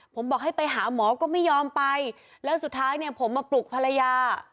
ผมบอกให้ไปหาหมอก็ไม่ยอมไปแล้วสุดท้ายเนี่ยผมมาปลุกภรรยา